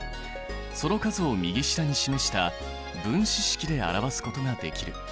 その数を右下に示した分子式で表すことができる。